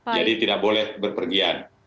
jadi tidak boleh berpergian